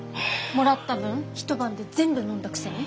もらった分一晩で全部飲んだくせに。